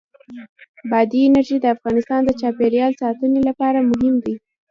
بادي انرژي د افغانستان د چاپیریال ساتنې لپاره مهم دي.